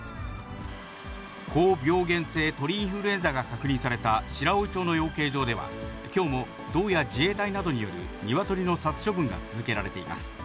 高病原性鳥インフルエンザが確認された白老町の養鶏場では、きょうも道や自衛隊などによる、ニワトリの殺処分が続けられています。